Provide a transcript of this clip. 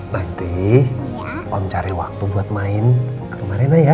berarti om cari waktu buat main ke rumah rena ya